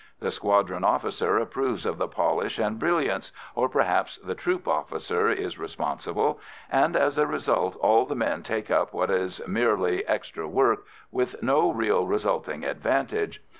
The squadron officer approves of the polish and brilliance or perhaps the troop officer is responsible and as a result all the men take up what is merely extra work with no real resulting advantage.